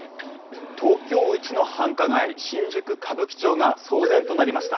東京一の繁華街、新宿歌舞伎町が騒然となりました。